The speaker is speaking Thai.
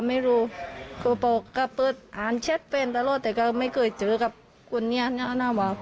ไม่รู้ก็บอกก็เปิดอ่านแชทแฟนตลอดแต่ก็ไม่เคยเจอกับคนนี้นะน่าบอก